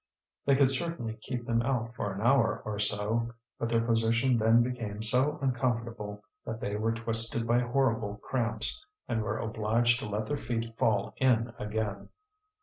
They could certainly keep them out for an hour or so, but their position then became so uncomfortable that they were twisted by horrible cramps, and were obliged to let their feet fall in again.